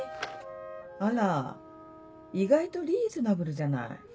あら意外とリーズナブルじゃない。